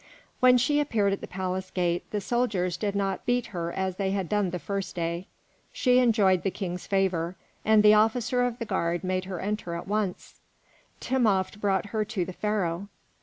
When she appeared at the palace gate the soldiers did not beat her as they had done the first day. She enjoyed the king's favour, and the officer of the guard made her enter at once. Timopht brought her to the Pharaoh.